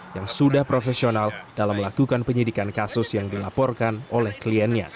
yang sudah profesional dalam melakukan penyidikan kasus yang dilaporkan oleh kliennya